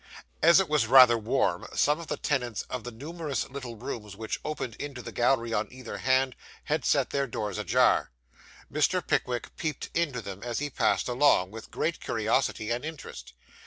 As it was rather warm, some of the tenants of the numerous little rooms which opened into the gallery on either hand, had set their doors ajar. Mr. Pickwick peeped into them as he passed along, with great curiosity and interest.